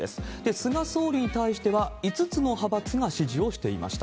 菅総理に対しては５つの派閥が支持をしていました。